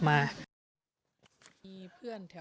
พันว์พึงขอ